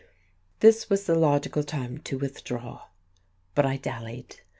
This was the logical time to withdraw but I dallied.